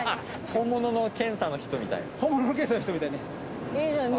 本物の検査の人みたいね。